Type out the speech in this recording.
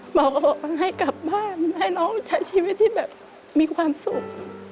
หมอก็บอกให้กลับบ้านให้น้องใช้ชีวิตที่แบบมีความสุข